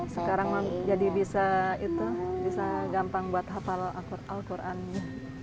sekarang jadi bisa itu bisa gampang buat hafal al qurannya